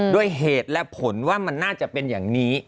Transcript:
ด้วยเหตุและผลว่ามันน่าจะเป็นอย่างนี้